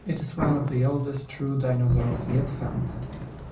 It is one of the oldest true dinosaurs yet found.